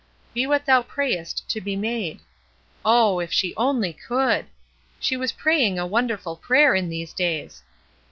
" Be what thou prayest to be made." Oh, if she only could! She was praying a wonderful prayer i„ these days.